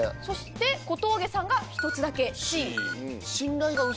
そして小峠さんが１つだけ。